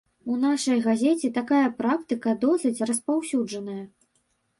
У нашай газеце такая практыка досыць распаўсюджаная.